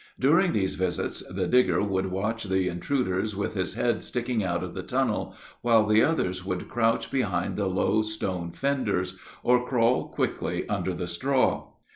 During these visits the digger would watch the intruders with his head sticking out of the tunnel, while the others would crouch behind the low stone fenders, or crawl quickly under the straw.